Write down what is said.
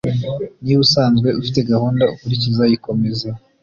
niba usanzwe ufite gahunda ukurikiza yikomeze